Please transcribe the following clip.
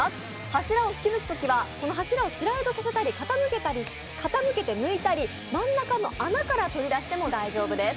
柱を引き抜くときはスライドしたり傾けて抜いたり真ん中の穴から取り出しても大丈夫です。